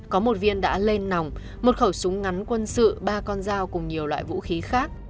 có một viên đã lên nòng một khẩu súng ngắn quân sự ba con dao cùng nhiều loại vũ khí khác